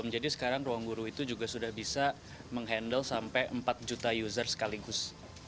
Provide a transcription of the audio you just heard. jadi sekarang ruangguru itu juga sudah bisa menghandle sampai empat juta user sekaligus